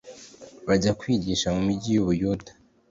bajya kwigisha mu migi y u Buyuda